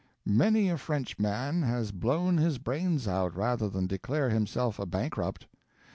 Many a Frenchman has blown his brains out rather than declare himself a bankrupt.